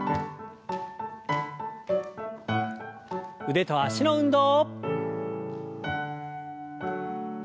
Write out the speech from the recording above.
腕と脚の運動。